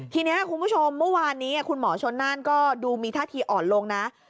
ทีนี้คุณผู้ชมเมื่อวานนี้คุณหมอชนน่านก็ดูมีท่าทีอ่อนลงนะ